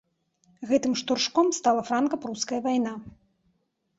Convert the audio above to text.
Гэтым штуршком стала франка-пруская вайна.